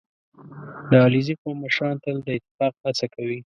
• د علیزي قوم مشران تل د اتفاق هڅه کوي.